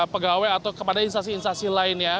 pegawai atau kepada instasi instasi lainnya